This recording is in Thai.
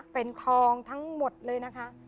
เป็นทองทั้งหมดเลยนะคะ